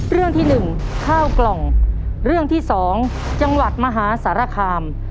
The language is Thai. เรื่องที่๑ข้าวกล่องเรื่องที่๒จังหวัดมหาสารคาม